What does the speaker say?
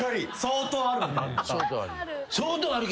相当ある。